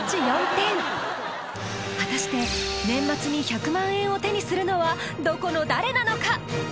点果たして年末に１００万円を手にするのはどこの誰なのか？